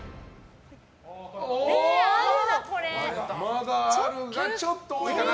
まだあるが、ちょっと多いかな。